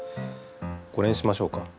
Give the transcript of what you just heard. これにしましょうか。